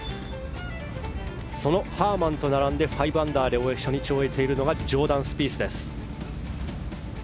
そのハーマンと並んで５アンダーで初日を終えているのがジョーダン・スピースです。